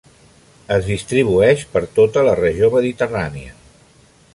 Es distribueix per tota la Regió Mediterrània.